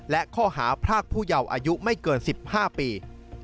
และข้อหาพรากผู้เยาว์อายุไม่เกิน๑๕ปี